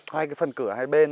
hai cái phần cửa hai bên